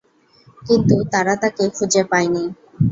কিন্তু তারা তাকে খুঁজে পায়নি।